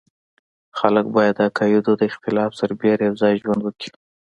خلک باید د عقایدو د اختلاف سربېره یو ځای ژوند وکړي.